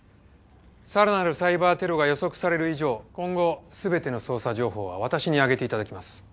さらなるサイバーテロが予測される以上今後全ての捜査情報は私に上げて頂きます。